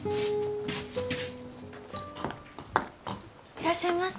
・いらっしゃいませ。